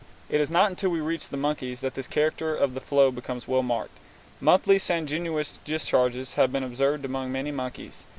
It is not until we reach the monkeys that this character of the flow becomes well marked. Monthly sanguineous discharges have been observed among many monkeys.